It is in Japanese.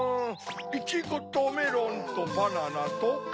イチゴとメロンとバナナと。